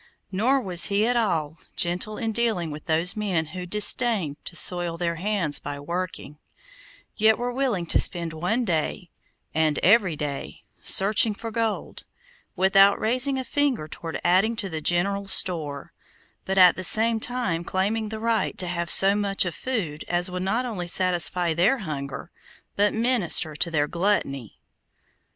Nor was he at all gentle in dealing with those men who disdained to soil their hands by working, yet were willing to spend one day, and every day, searching for gold, without raising a finger toward adding to the general store, but at the same time claiming the right to have so much of food as would not only satisfy their hunger, but minister to their gluttony.